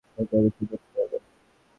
তাকে অবশ্যই ধরতে হবে।